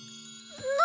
何？